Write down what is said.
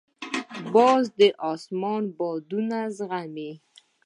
باز د اسمان بادونه زغمي